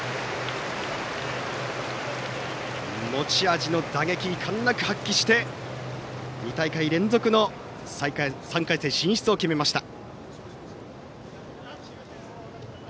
持ち味の打撃遺憾なく発揮して２大会連続の３回戦進出を決めました。